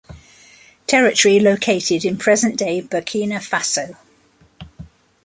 Territory located in present-day Burkina Faso.